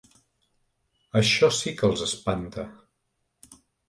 Això sí que els espanta.